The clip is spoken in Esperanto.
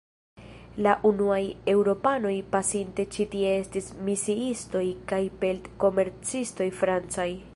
La unuaj Eŭropanoj pasinte ĉi-tie estis misiistoj kaj pelt-komercistoj francaj.